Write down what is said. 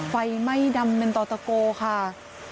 ไฟไหม้ดำเป็นต่อตะโกค่ะ